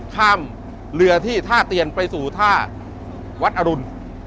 ข้ามเรือที่ท่าเตียนไปสู่ท่าวัดอรุณ